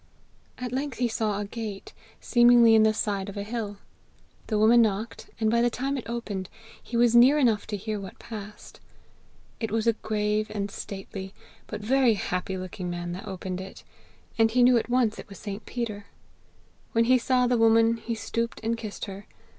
At length he saw a gate, seemingly in the side of a hill. The woman knocked, and by the time it opened, he was near enough to hear what passed. It was a grave and stately, but very happy looking man that opened it, and he knew at once it was St. Peter. When he saw the woman, he stooped and kissed her.